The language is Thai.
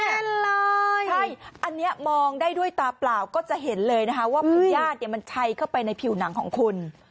แน่นเลยใช่อันนี้มองได้ด้วยตาเปล่าก็จะเห็นเลยนะคะว่าพญาติเนี่ยมันชัยเข้าไปในผิวหนังของคุณ